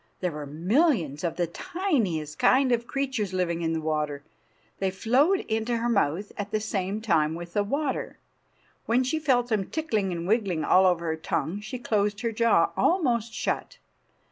There were millions of the tiniest kind of creatures living in the water. They flowed into her mouth at the same time with the water. When she felt them tickling and wiggling over her tongue she closed her jaw almost shut.